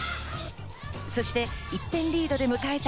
そして１点リードで迎えた